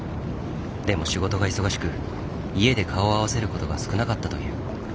でも仕事が忙しく家で顔を合わせる事が少なかったという。